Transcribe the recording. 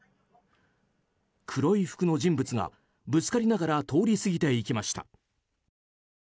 黒い服の人物がぶつかりながら通り過ぎていきました。